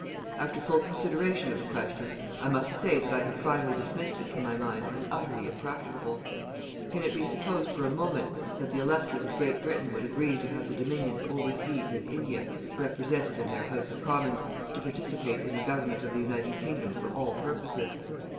After full consideration of the question, I must say that I have finally dismissed it from my mind as utterly impracticable. Can it be supposed for a moment that the electors of Great Britain would agree to have the Dominions overseas and India represented in their House of Commons, to participate in the government of the United Kingdom for all purposes?